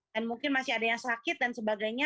dan mungkin masih ada yang sakit dan sebagainya